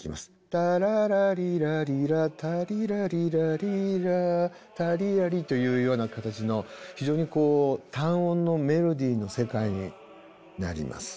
「タララリラリラタリラリラリラタリラリ」というような形の非常にこう単音のメロディーの世界になります。